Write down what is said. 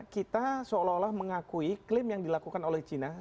kita seolah olah mengakui klaim yang dilakukan oleh china